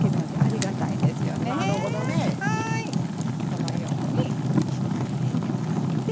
このようにしっかり入れてもらって。